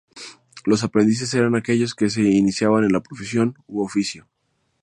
Los "aprendices" eran aquellos que se iniciaban en la profesión u oficio.